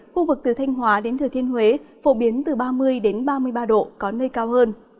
khu vực từ thanh hóa đến thừa thiên huế phổ biến từ ba mươi ba mươi ba độ có nơi cao hơn